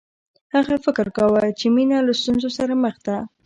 هغه فکر کاوه چې مینه له ستونزو سره مخ ده